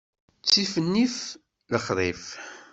Ttif nnif, lexṛif.